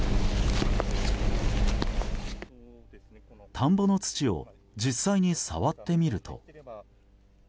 田んぼの土を実際に触ってみると。